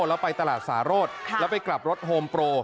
แล้วไปตลาดสาโรธแล้วไปกลับรถโฮมโปร